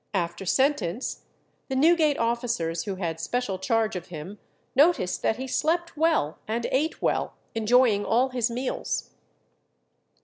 After sentence, the Newgate officers who had special charge of him noticed that he slept well and ate well, enjoying all his meals.